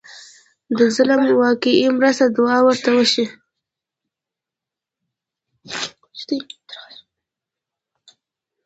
د ظالم واقعي مرسته دعا ورته وشي.